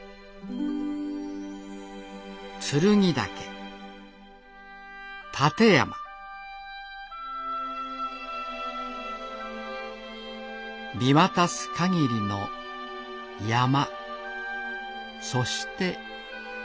見渡すかぎりの山そして山。